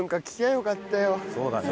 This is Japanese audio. そうだね。